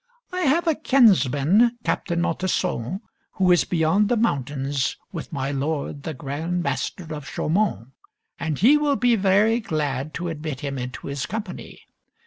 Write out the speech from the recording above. I have a kinsman, Captain Monteson, (3) who is beyond the mountains with my lord the Grand Master of Chaumont, and he will be very glad to admit him into his company.